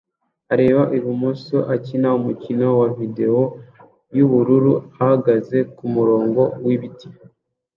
areba ibumoso akina umukino munini wa videwo yubururu uhagaze kumurongo wibiti